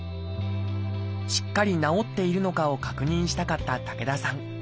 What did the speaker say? しっかり治っているのかを確認したかった武田さん。